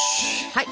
はい。